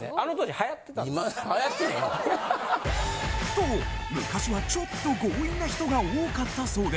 流行ってへんわ！と昔はちょっと強引な人が多かったそうで。